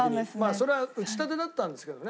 それは打ち立てだったんですけどね。